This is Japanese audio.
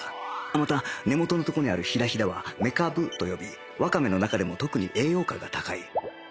また根元の所にあるヒダヒダはメカブと呼びわかめの中でも特に栄養価が高い